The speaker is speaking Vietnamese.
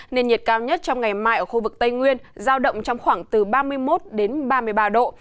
nền nhiệt cao nhất trong ngày mai ở khu vực tây nguyên giao động trong khoảng từ ba mươi một đến ba mươi ba độ